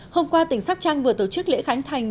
hôm qua tỉnh sóc trăng vừa tổ chức lễ khánh thành